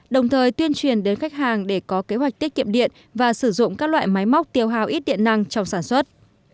đồng thời tuyên truyền đến khách hàng để có kế hoạch tiết kiệm điện và sử dụng các loại máy móc tiêu hào ít điện năng trong sản xuất